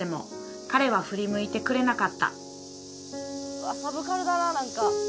「うわっサブカルだななんか」